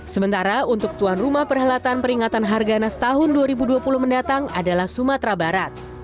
sementara untuk tuan rumah perhelatan peringatan harganas tahun dua ribu dua puluh mendatang adalah sumatera barat